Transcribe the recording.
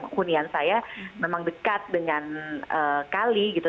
hunian saya memang dekat dengan kali gitu